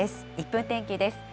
１分天気です。